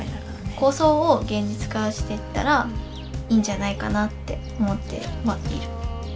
構想を現実化してったらいいんじゃないかなって思っている。